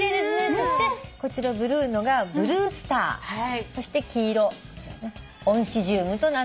そしてこちらブルーのがブルースターそして黄色オンシジュームとなっております。